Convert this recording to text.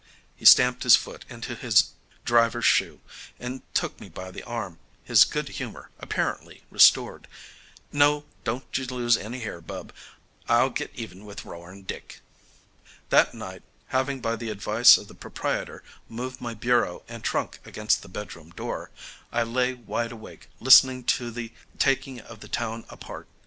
He stamped his foot into his driver's shoe and took me by the arm, his good humour apparently restored. "No, don't you lose any hair, bub; I'll get even with Roaring Dick." That night, having by the advice of the proprietor moved my bureau and trunk against the bedroom door, I lay wide awake listening to the taking of the town apart.